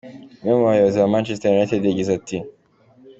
Umwe mu bayobozi ba Manchester United yagize ati:.